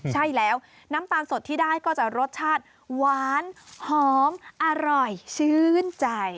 ใช่แล้วน้ำตาลสดที่ได้ก็จะรสชาติหวานหอมอร่อยชื่นใจ